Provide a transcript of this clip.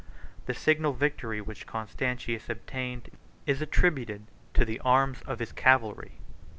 The signal victory which Constantius obtained is attributed to the arms of his cavalry.